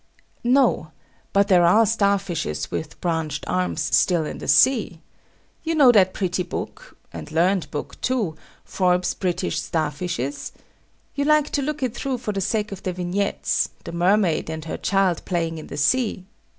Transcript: No. But there are star fishes with branched arms still in the sea. You know that pretty book (and learned book, too), Forbes's British Star fishes? You like to look it through for the sake of the vignettes, the mermaid and her child playing in the sea.